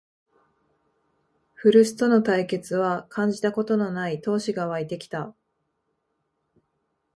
古巣との対決は感じたことのない闘志がわいてきた